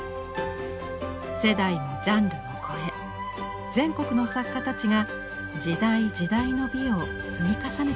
世代もジャンルも超え全国の作家たちが時代時代の美を積み重ねてきました。